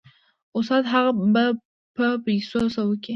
استاده هغه به په پيسو څه وكي.